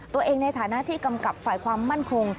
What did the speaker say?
ในฐานะที่กำกับฝ่ายความมั่นคง